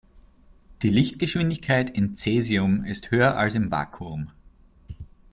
Die Lichtgeschwindigkeit in Cäsium ist höher als im Vakuum.